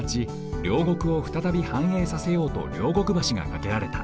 両国をふたたびはんえいさせようと両国橋がかけられた。